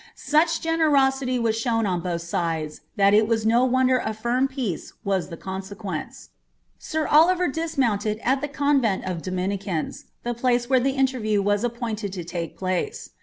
Such generosity was ehown on both sides, that it was no wonder tt firm peace was the eoDMquence. Sir Oliver dismounted at the convent of Dominicans, the plmce where the interview was appointed to take place.